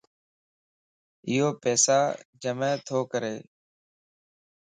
ايو پيسا جمع تو ڪري